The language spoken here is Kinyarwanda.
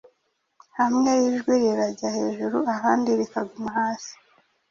hamwe ijwi rirajya hejuru ahandi rikaguma hasi